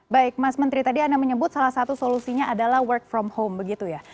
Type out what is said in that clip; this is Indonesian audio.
baik mas menteri tadi anda menyebut salah satu solusinya adalah work from home begitu ya